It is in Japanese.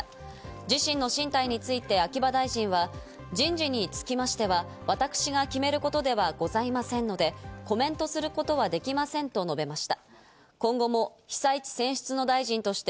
自身の進退について秋葉大臣は人事につきましては私が決めることではございませんのでコメントすることはできませんと述べました。